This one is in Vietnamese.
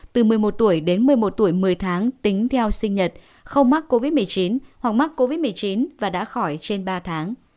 từ một mươi một tuổi đến một mươi một tuổi một mươi tháng tính theo sinh nhật không mắc covid một mươi chín hoặc mắc covid một mươi chín và đã khỏi trên ba tháng